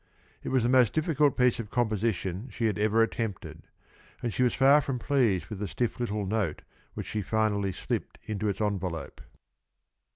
It was the most difficult piece of composition she had ever attempted, and she was far from pleased with the stiff little note which she finally slipped into its envelope.